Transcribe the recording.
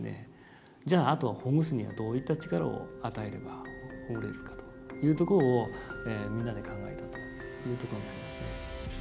じゃああとはほぐすにはどういった力を与えればほぐれるかというところをみんなで考えたというところになりますね。